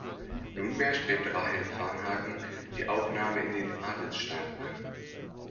Nunmehr strebte Rahel Varnhagen die Aufnahme in den Adelsstand an.